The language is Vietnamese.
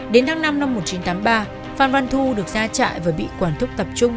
đến tháng năm năm một nghìn chín trăm tám mươi ba phan văn thu được ra trại và bị quản thúc tập trung